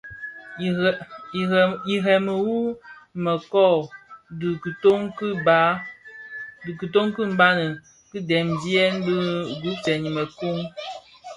Irèmi wu mëkōň dhi kitoň ki bhan idhemzè bi gubsèn i mëkōň.